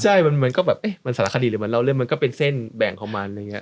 ใช่มันก็แบบเอ๊ะมันสารคดีหรือมันเล่าเรื่องมันก็เป็นเส้นแบ่งของมันอะไรอย่างนี้